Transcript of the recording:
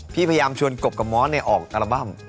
พยายามชวนกบกับม้อนออกอัลบั้ม